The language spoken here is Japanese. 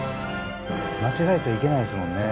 間違えちゃいけないですもんね。